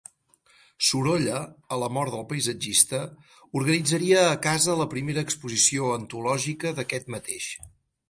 Sorolla, a la mort del paisatgista, organitzaria a casa la primera exposició antològica d'aquest mateix.